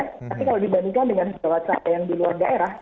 tapi kalau dibandingkan dengan sahabat saya yang di luar daerah